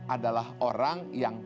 adalah orang yang fitrah